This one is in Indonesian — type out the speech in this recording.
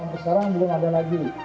sekarang belum ada lagi